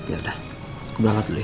yaudah aku berangkat dulu ya